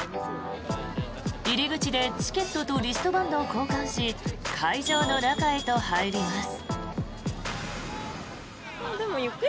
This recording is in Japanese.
入り口でチケットとリストバンドを交換し会場の中へと入ります。